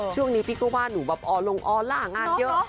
ช่วงนี้พี่ก็ว่าหนูแบบออลงออลล่างานเยอะ